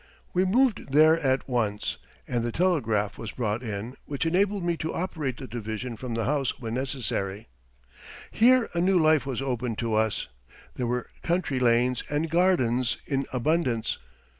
We moved there at once and the telegraph was brought in, which enabled me to operate the division from the house when necessary. Here a new life was opened to us. There were country lanes and gardens in abundance.